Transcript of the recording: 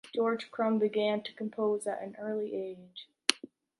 George Crumb began to compose at an early age.